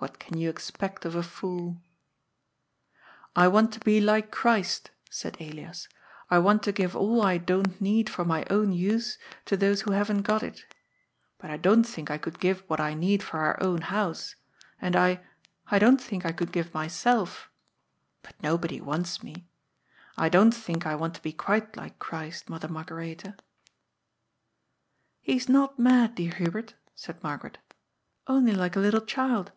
What can you expect of a fool ?" I want to be like Christ," said Elias ;" I want to give all I don't need for my own use to those who haven't got it. But I don't think I could give what I need for our own house. And I — I don't think I could give myself : but no body wants me. I don't think I want to be quite like Christ, Mother Margaretha." " He is not mad, dear Hubert," said Margaret. " Only like a little child."